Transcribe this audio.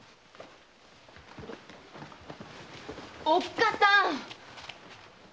おっかさん！